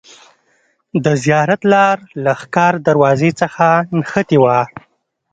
د زیارت لار له ښکار دروازې څخه نښتې وه.